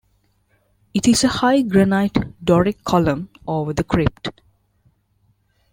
It is a high granite Doric column over the crypt.